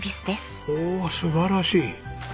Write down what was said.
おお素晴らしい。